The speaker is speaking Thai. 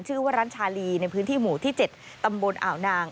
ชื่อว่าร้านชาลีในพื้นที่หมู่ที่๗ตำบลอ่าวนาง